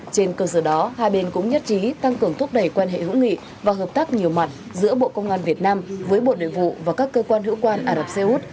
trên cơ sở đó hai bên cũng nhất trí tăng cường thúc đẩy quan hệ hữu nghị và hợp tác nhiều mặt giữa bộ công an việt nam với bộ nội vụ và các cơ quan hữu quan ả rập xê út